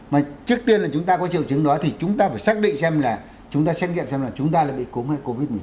mà trước tiên là chúng ta có triệu chứng đó thì chúng ta phải xác định xem là chúng ta xem kiệm xem là chúng ta là bị cúng hay covid một mươi chín